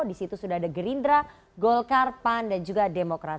di situ sudah ada gerindra golkar pan dan juga demokrat